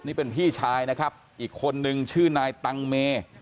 นี่เป็นพี่ชายนะครับอีกคนนึงชื่อนายตังเม